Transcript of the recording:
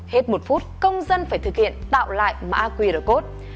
hết một phút công dân phải thực hiện tạo lại mã qr code